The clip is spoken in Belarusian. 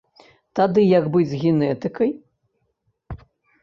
Тады як быць з генетыкай?